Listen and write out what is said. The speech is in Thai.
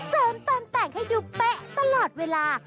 เติมตอนแต่งให้ดูเป๊ะตลอดเวลา